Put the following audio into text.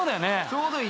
ちょうどいい。